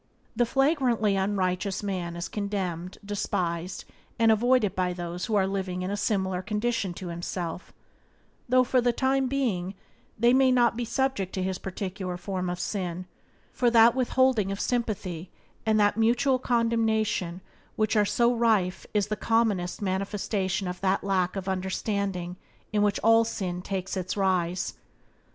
The flagrantly unrighteous man is condemned, despised, and avoided by those who are living in a similar condition to himself, though for the time being, they may not be subject to his particular form of sin, for that withholding of sympathy and that mutual condemnation which are so rife is the commonest manifestation of that lack of understanding in which all sin takes its rise.